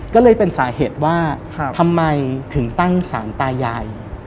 ก็เลยเป็นสาเหตุว่าทำไมถึงตั้งสารตายาย